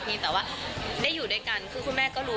แต่ว่าได้อยู่ด้วยกันคือคุณแม่ก็รู้